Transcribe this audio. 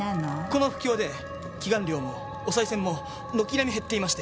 この不況で祈願料もお賽銭も軒並み減っていまして。